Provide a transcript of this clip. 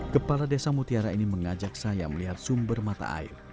kepala desa mutiara ini mengajak saya melihat sumber mata air